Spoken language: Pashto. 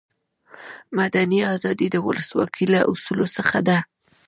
مدني آزادي د ولسواکي له اصولو څخه ده.